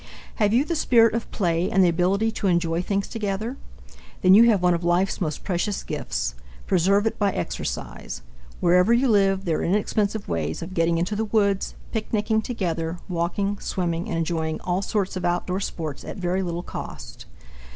Have you the spirit of play and the ability to enjoy things together? Then you have one of life's most precious gifts. Preserve it by exercise. Wherever you live, there are inexpensive ways of getting into the woods, picnicking together, walking, swimming, and enjoying all sorts of outdoor sports at very little cost.